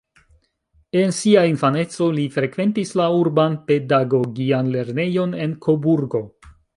En sia infaneco, li frekventis la urban pedagogian lernejon en Koburgo.